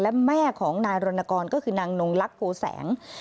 และแม่ของนายรณกรก็คือนางนงลักษโพแสง